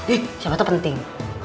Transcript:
eh siapa tuh penting